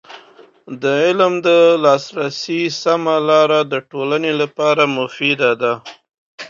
د علم د لاسرسي سمه لاره د ټولنې لپاره مفید ده.